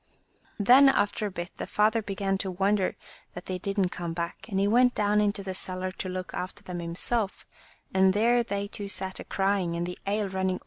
Then after a bit the father began to wonder that they didn't come back, and he went down into the cellar to look after them him self, and there they two sat a crying, and the ale running all *From English Fairy Tales.